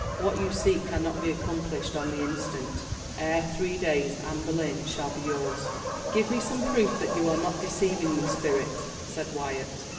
What you seek cannot be accomplished on the instant. Ere three days Anne Boleyn shall be yours." "Give me some proof that you are not deceiving me, spirit," said Wyat.